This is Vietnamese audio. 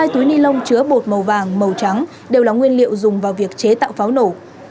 hai túi ni lông chứa bột màu vàng màu trắng đều là nguyên liệu dùng vào việc chế tạo pháo nổ